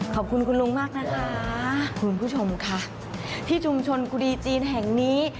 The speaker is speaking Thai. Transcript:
ขอบคุณคุณลุงมากนะคะคุณผู้ชมค่ะที่ชุมชนกุดีจีนแห่งนี้